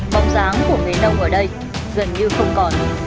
bọc dáng của người nông ở đây dần như không còn